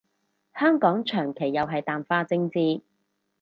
香港長期又係淡化政治